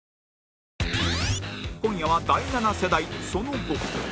今夜は「第七世代、その後」